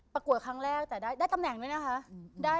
ประกวดครั้งแรกแต่ได้ตำแหน่งด้วยนะคะ